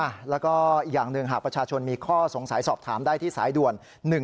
อีกอย่างหนึ่งประชาชนมีข้อสงสัยสอบถามได้ที่สายด่วน